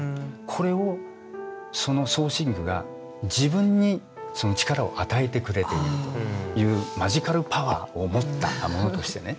これをその装身具が自分にその力を与えてくれているというマジカルパワーを持ったものとしてね